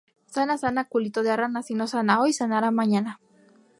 Sana, sana, culito de rana. Si no sana hoy, sanará mañana